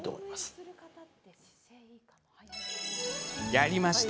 やりました！